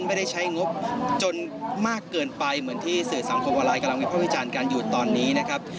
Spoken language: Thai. ไม่ได้ใช้งบจนมากเกินไปเหมือนที่สื่อสังคมออนไลน์กำลังวิภาควิจารณ์กันอยู่ตอนนี้นะครับ